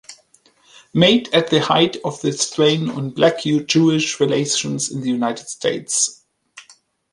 Made at the height of the strain on Black-Jewish relations in the United States.